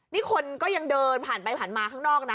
นี่คนก็ยังเดินผ่านไปผ่านมาข้างนอกนะ